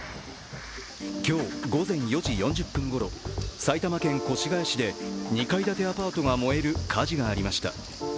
今日、午前４時４０分ごろ、埼玉県越谷市で２階建てアパートが燃える火事がありました。